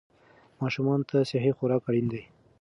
ماشومان ته صحي خوراک اړین دی.